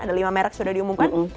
ada lima merek sudah diumumkan